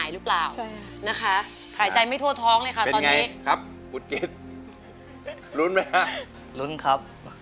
รุ้นไหมครับ